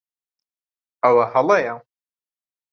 ئەوە ھەڵەیە.